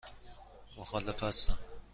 مخالف هستم.